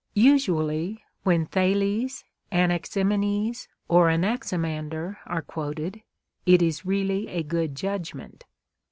Usually, when Thales, Anaximenes, or Anaxi mander are quoted, it is really a good judgment.